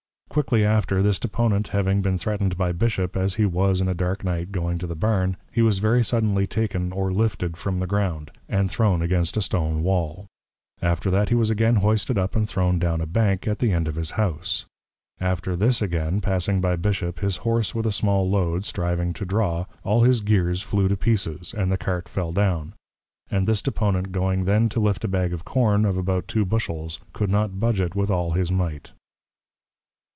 Quickly after, this Deponent having been threatned by Bishop, as he was in a dark Night going to the Barn, he was very suddenly taken or lifted from the Ground, and thrown against a Stone wall: After that, he was again hoisted up and thrown down a Bank, at the end of his House. After this again, passing by this Bishop, his Horse with a small Load, striving to draw, all his Gears flew to pieces, and the Cart fell down; and this Deponent going then to lift a Bag of Corn, of about two Bushels, could not budge it with all his Might.